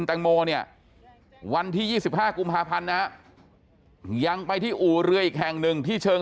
แตงโมเนี่ยวันที่๒๕กุมภาพันธ์นะยังไปที่อู่เรืออีกแห่งหนึ่งที่เชิง